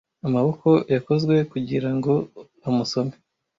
amaboko yakozwe kugirango amusome